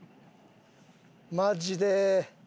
マジで。